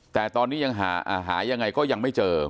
แต่ตอนนี้ยังหายังไงก็ยังไม่เจอ